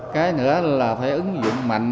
cái nữa là phải ứng dụng mạnh